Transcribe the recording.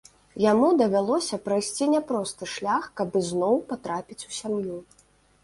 Яму давялося прайсці няпросты шлях каб ізноў патрапіць у сям'ю.